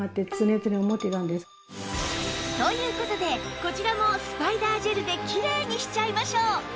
という事でこちらもスパイダージェルできれいにしちゃいましょう！